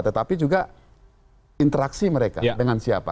tetapi juga interaksi mereka dengan siapa